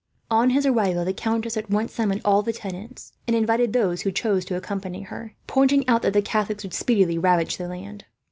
On his arrival the countess at once summoned all the tenants, and invited those who chose to accompany her; pointing out that the Catholics would speedily ravage the land.